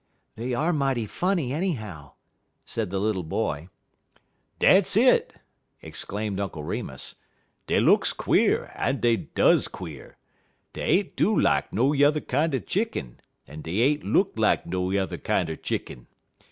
"They are mighty funny, anyhow," said the little boy. "Dat's it!" exclaimed Uncle Remus. "Dey looks quare, en dey does quare. Dey ain't do lak no yuther kinder chick'n, en dey ain't look lak no yuther kinder chick'n.